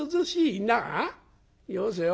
「よせよ。